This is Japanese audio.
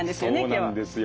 そうなんですよ